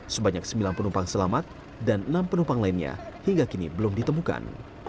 sebanyak sembilan penumpang selamat dan enam penumpang lainnya hingga kini belum ditemukan